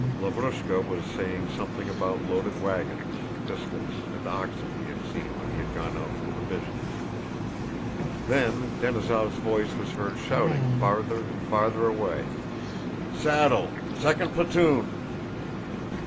Lavrúshka was saying something about loaded wagons, biscuits, and oxen he had seen when he had gone out for provisions. Then Denísov's voice was heard shouting farther and farther away. "Saddle! Second platoon!"